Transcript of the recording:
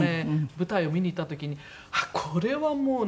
舞台を見に行った時にこれはもうね